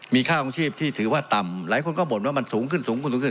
มีค่าองค์ชีพที่ถือว่าต่ำหลายคนก็บ่นว่ามันสูงขึ้น